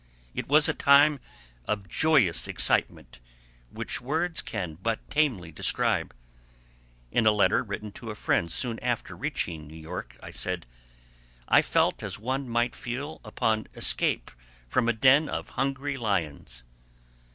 It was a time of joyous excitement which words can but tamely describe. In a letter written to a friend soon after reaching New York, I said: "I felt as one might feel upon escape from a den of hungry lions."